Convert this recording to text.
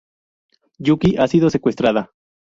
Yuki ha sido secuestrada.